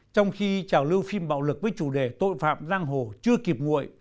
trong khi trào lưu phim bạo lực với chủ đề tội phạm giang hồ chưa kịp nguội